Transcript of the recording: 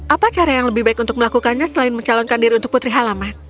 apa cara yang lebih baik untuk melakukannya selain mencalonkan diri untuk putri halaman